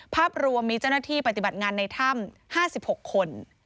ภาพรวมมีเจ้าหน้าที่ปฏิบัติงานในถ้ำ๕๖คน